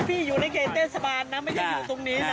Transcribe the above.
พี่อยู่ในเกณฑ์เต้นสบานนะไม่ใช่อยู่ตรงนี้นะ